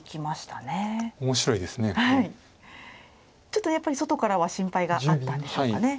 ちょっとやっぱり外からは心配があったんでしょうかね。